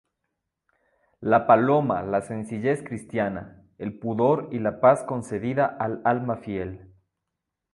La paloma la sencillez cristiana, el pudor y la paz concedida al alma fiel.